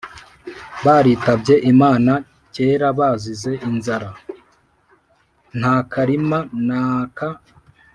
baritabye Imana kera bazize inzara. Nta karima n’aka